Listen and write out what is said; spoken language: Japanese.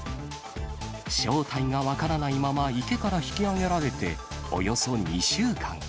正体が分からないまま池から引き揚げられて、およそ２週間。